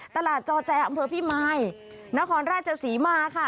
จอแจอำเภอพี่มายนครราชศรีมาค่ะ